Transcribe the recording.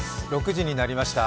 ６時になりました。